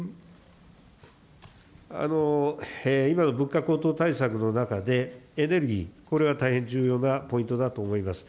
今の物価高騰対策の中で、エネルギー、これは大変重要なポイントだと思います。